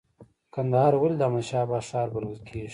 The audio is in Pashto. کندهار ولې د احمد شاه بابا ښار بلل کیږي؟